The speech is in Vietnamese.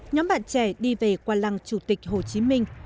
nhóm bạn trẻ đi về qua lăng chủ tịch hồ chí minh